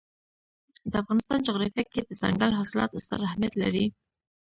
د افغانستان جغرافیه کې دځنګل حاصلات ستر اهمیت لري.